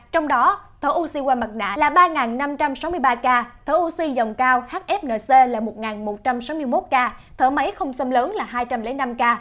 trong đó thở oxy qua mặt đả là ba năm trăm sáu mươi ba ca thở oxy dòng cao hfnc là một một trăm sáu mươi một ca thở máy không xâm lớn là hai trăm linh năm ca